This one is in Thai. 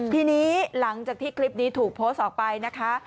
ทีนี้หลังจากที่คลิปนี้ถูกโพสต์ออกไปนะคะ